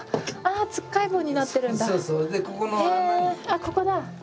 あっここだ。